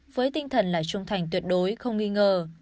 với tinh thần là trung thành tuyệt đối không nghi ngờ